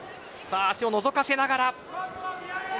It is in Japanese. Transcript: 足をのぞかせながら。